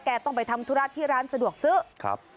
ต้องไปทำธุระที่ร้านสะดวกซื้อครับ